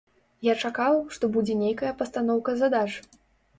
Я чакаў, што будзе нейкая пастаноўка задач.